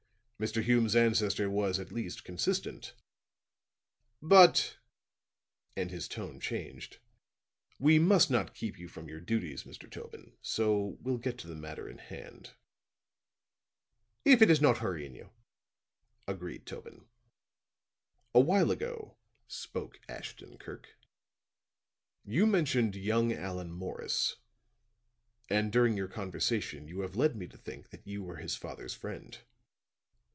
Mr. Hume's ancestor was at least consistent. But," and his tone changed, "we must not keep you from your duties, Mr. Tobin, and so we'll get to the matter in hand." "If it is not hurrying you," agreed Tobin. "A while ago," spoke Ashton Kirk, "you mentioned young Allan Morris; and during your conversation you have led me to think that you were his father's friend."